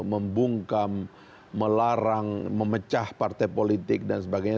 membungkam melarang memecah partai politik dan sebagainya